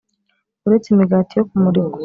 Uretse Imigati Yo Kumurikwa